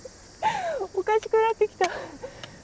おかしくなってきた。